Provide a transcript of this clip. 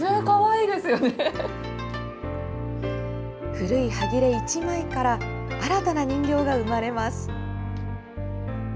古いはぎれ１枚から、新たな人形が生まれます。